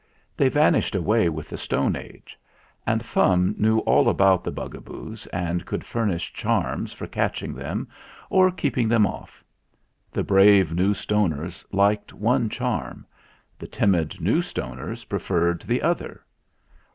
They van ished away with the Stone Age. And Fum knew all about the Bugaboos, and could fur nish charms for catching them or keeping them off. The brave New Stoners liked one charm ; the timid New Stoners preferred the other.